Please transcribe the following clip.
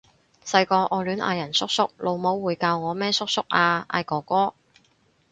細個我亂嗌人叔叔，老母會教我咩叔叔啊！嗌哥哥！